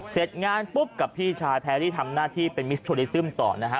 เสร็จงานปุ๊บกับพี่ชายแพ้ที่ทำหน้าที่เป็นมิสโทดิซึมต่อนะฮะ